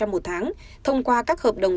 ba một tháng thông qua các hợp đồng